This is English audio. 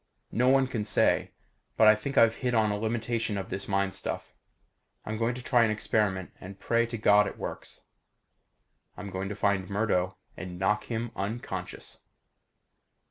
No one can say. But I think I've hit on a limitation of this mind stuff. I'm going to try an experiment and pray to God it works. I'm going to find Murdo and knock him unconscious.